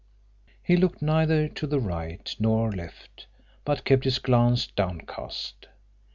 He looked neither to the right nor left, but kept his glance downcast.